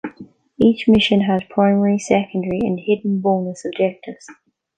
Each mission has primary, secondary, and hidden bonus objectives.